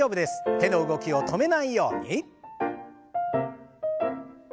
手の動きを止めないように。